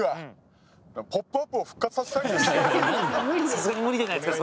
「さすがに無理じゃないですか？